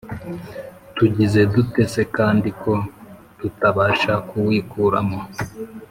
tugize dute se kandi, ko tutabasha kuwikuramo ?